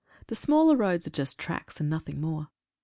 The smaller roads are just tracks, and nothing more.